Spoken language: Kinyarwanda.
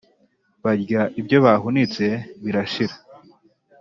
barya ibyo bahunitse birashira;